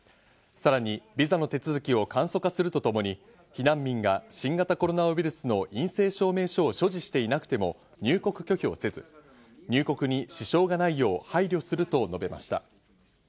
さらにビザの手続きを簡素化するとともに避難民が新型コロナウイルスの陰性証明書を所持していなくても入国拒否をせず、入国に支障がないよう配慮すると述べました。